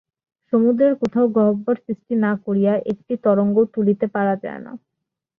সমুদ্রের কোথাও গহ্বর সৃষ্টি না করিয়া একটি তরঙ্গও তুলিতে পারা যায় না।